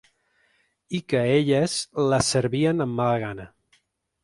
I que a elles les servien amb mala gana.